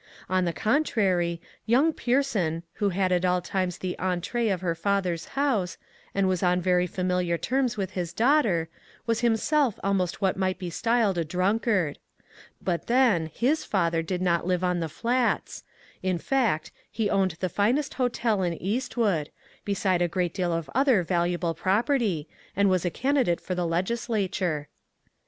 On the contrary, young Pierson, who had at all times the entree of her father's house, and was on very familiar terms with his daughter, was himself almost what might be styled a drunkard. But, then, his father did not live on the Flats ; in fact, he owned the finest hotel in East wood, beside a great deal of other valuable property, and was a candidate for the Leg islature.